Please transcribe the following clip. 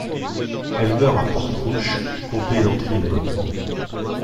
Elle meurt à Portrush, Comté d'Antrim.